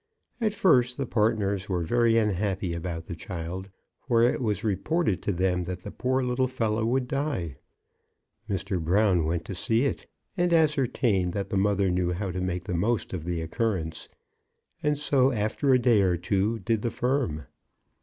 At first the partners were very unhappy about the child, for it was reported to them that the poor little fellow would die. Mr. Brown went to see it, and ascertained that the mother knew how to make the most of the occurrence; and so, after a day or two, did the firm.